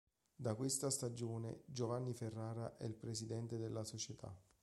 Da questa stagione Giovanni Ferrara è il presidente della società.